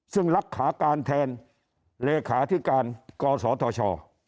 ซึ่งรักษาการแทนเลขาธิการกศธช